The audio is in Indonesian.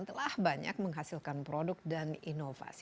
telah banyak menghasilkan produk dan inovasi